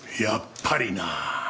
やっぱりな。